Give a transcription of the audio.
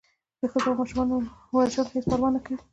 د ښځو و ماشومانو وژل هېڅ پروا نه کوي.